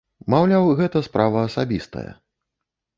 Маўляў, гэта справа асабістая.